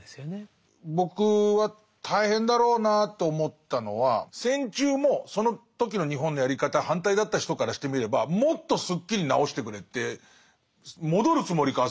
僕は大変だろうなと思ったのは戦中もその時の日本のやり方に反対だった人からしてみればもっとすっきりなおしてくれって戻るつもりか